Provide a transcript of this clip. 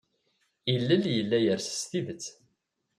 Ilel yella yers s tidet.